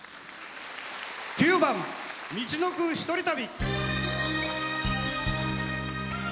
９番「みちのくひとり旅」。